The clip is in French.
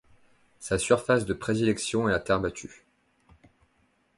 Sa surface de prédilection est la terre battue.